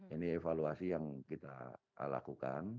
ini evaluasi yang kita lakukan